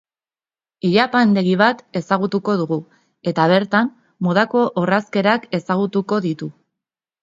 Ileapaindegi bat ezagutuko du, eta bertan, modako orrazkerak ezagutuko ditu.